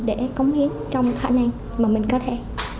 để cống hiến trong khả năng mà mình có thể